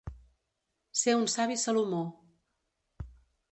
Ser un savi Salomó.